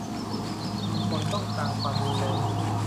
- มีคนต้องการความรุนแรง